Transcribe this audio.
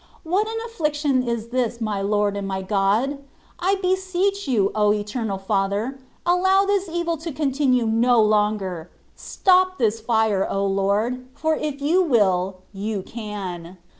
What an affliction is this, my Lord and my God ! I beseech You, O Eternal Father ! allow this evil to continue no longer : stop this fire, O Lord ! for if You will, You can.